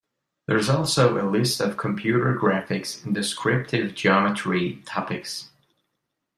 There is also a list of computer graphics and descriptive geometry topics.